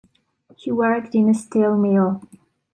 He worked in a steel mill.